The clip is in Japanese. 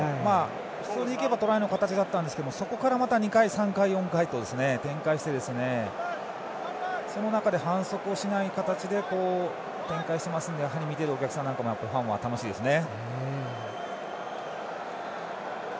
普通に行けばトライの形だったんですけどそこからまた２回、３回、４回と展開してその中で、反則をしない形で展開していますので見ているお客さん、ファンは楽しいですね。